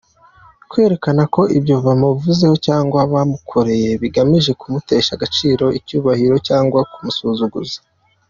Kwerekana ko ibyo bamuvuzeho cyangwa bamukoreye bigamije kumutesha agaciro, icyubahiro cyangwa kumusuzuguza.